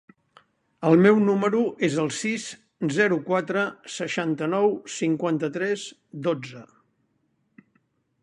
El meu número es el sis, zero, quatre, seixanta-nou, cinquanta-tres, dotze.